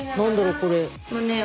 これ。